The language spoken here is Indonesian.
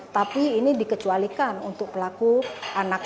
tapi ini dikecualikan untuk pelaku anak